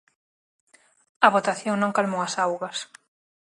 A votación non calmou as augas.